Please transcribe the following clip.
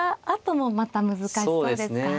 あともまた難しそうですか。